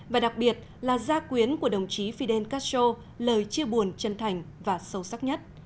và đặc biệt là gia quyến của đồng chí fidel castro lời chia buồn chân thành và sâu sắc nhất